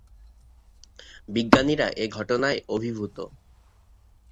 বিজ্ঞানীরা এ ঘটনায় অভিভূত।